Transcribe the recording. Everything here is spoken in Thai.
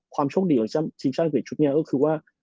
ความโชคดีของทีมชาติอังกฤษชุดนี้ก็คือว่า